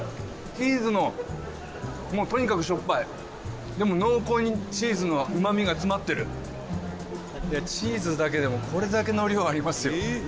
チーズのもうとにかくしょっぱいでも濃厚にチーズの旨味が詰まってるチーズだけでもこれだけの量ありますよ